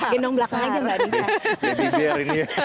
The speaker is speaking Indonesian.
gendong belakang aja mbak riza